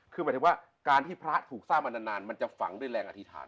คือหมายถึงว่าการที่พระถูกสร้างมานานมันจะฝังด้วยแรงอธิษฐาน